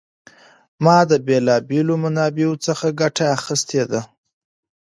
ما د بېلا بېلو منابعو څخه ګټه اخیستې ده.